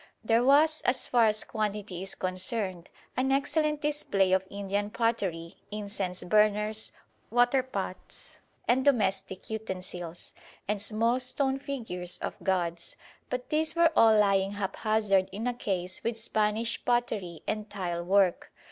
There was, as far as quantity is concerned, an excellent display of Indian pottery, incense burners, water pots and domestic utensils, and small stone figures of gods. But these were all lying haphazard in a case with Spanish pottery and tile work.